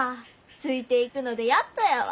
ついていくのでやっとやわ。